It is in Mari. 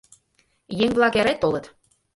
Еҥ-влак эре толыт.